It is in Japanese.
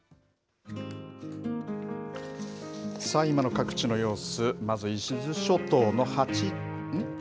今の各地の様子、まず伊豆諸島の、ん？